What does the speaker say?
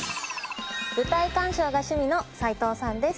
舞台鑑賞が趣味の齋藤さんです。